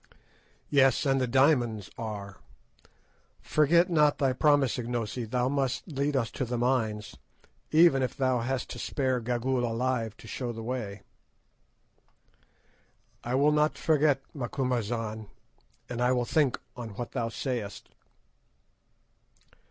"Yes, and the diamonds are. Forget not thy promise, Ignosi; thou must lead us to the mines, even if thou hast to spare Gagool alive to show the way." "I will not forget, Macumazahn, and I will think on what thou sayest."